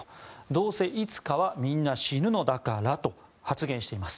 どうせ、いつかはみんな死ぬのだからと発言しています。